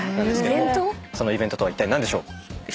そのイベントとはいったい何でしょう？